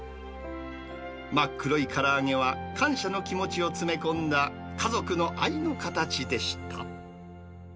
真っ黒いから揚げは、感謝の気持ちを詰め込んだ家族の愛の形でした。